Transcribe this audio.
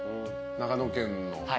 長野県の。